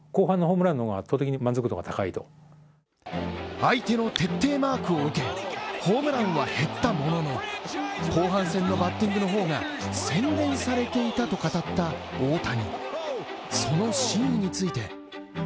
相手の徹底マークを受け、ホームランは減ったものの、後半戦のバッティングの方が洗練されていたと語った大谷。